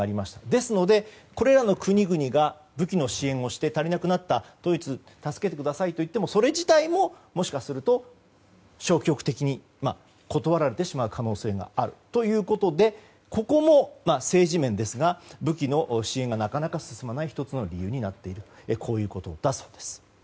ですので、これらの国々が武器の支援をして足りなくなったドイツ助けてくださいと言ってもそれ自体ももしかすると消極的に断られてしまう可能性があるということでここも政治面ですが武器の支援がなかなか進まない１つの理由になっているこういうことだそうです。